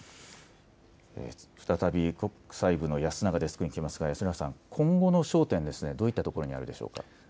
再び国際部の安永デスクに聞きますが、今後の焦点どういったところになるでしょうか。